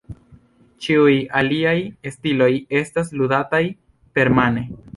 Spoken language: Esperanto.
Ĉiuj aliaj stiloj estas ludataj permane.